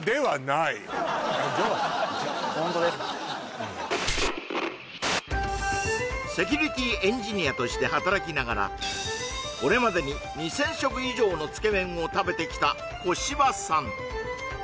ジョークホントですかセキュリティエンジニアとして働きながらこれまでに２０００食以上のつけ麺を食べてきた小芝さん